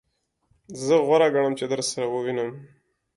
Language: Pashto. زه غوره ګڼم چی درسره ووینم.